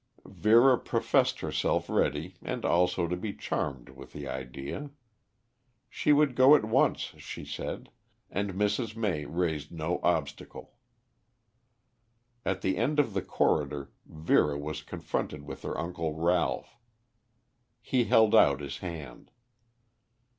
Vera professed herself ready and also to be charmed with the idea. She would go at once, she said, and Mrs. May raised no obstacle. At the end of the corridor Vera was confronted with her uncle Ralph. He held out his hand.